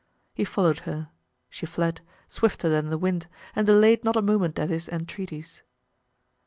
He followed her; she fled, swifter than the wind, and delayed not a moment at his entreaties.